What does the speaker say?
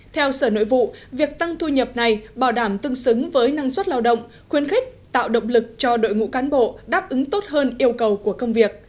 theo sở nội vụ việc tăng thu nhập này bảo đảm tương xứng với năng suất lao động khuyên khích tạo động lực cho đội ngũ cán bộ đáp ứng tốt hơn yêu cầu của công việc